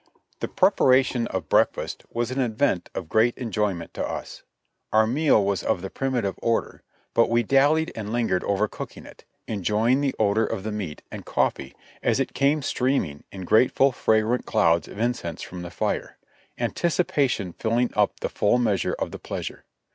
The preparation of breakfast was an event of great enjoyment to us. Our meal was of the primitive order, but we dalhed and Hngered over cooking it, enjoying the odor of the meat and cof fee as it came steaming in grateful, fragrant clouds of incense from the fire ; anticipation filling up the full measure of the pleasure.